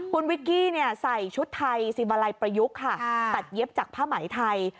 คุณวิกกี้ใส่ชุดไทยซิมาลัยประยุกต์ค่ะตัดเย็บจากผ้าไหมไทย